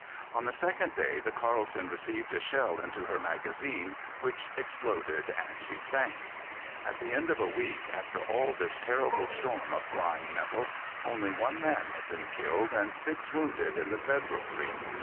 On the second day the Carleton received a shell into her magazine, which exploded, and she sank. At the end of a week, after all this terrible storm of flying metal, only one man had been killed and six wounded in the Federal fleet.